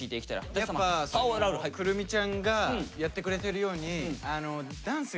やっぱくるみちゃんがやってくれてるように舘様は？